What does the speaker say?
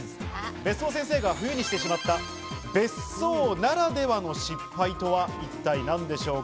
別荘先生が冬にしてしまった別荘ならではの失敗とは一体何でしょうか？